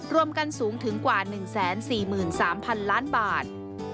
รวมกันสูงถึงกว่า๑๔๓๐๐๐ล้านบาท